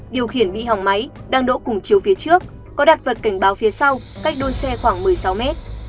điều khiển bị hỏng máy đang đỗ cùng chiếu phía trước có đặt vật cảnh báo phía sau cách đôn xe khoảng một mươi sáu m